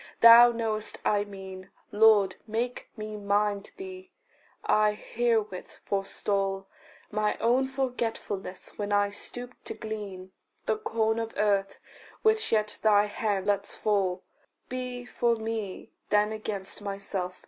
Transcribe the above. Thou know'st I mean Lord, make me mind thee. I herewith forestall My own forgetfulness, when I stoop to glean The corn of earth which yet thy hand lets fall. Be for me then against myself.